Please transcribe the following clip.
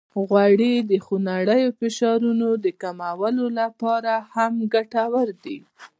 غوړې د خونړیو فشارونو د کمولو لپاره هم ګټورې دي.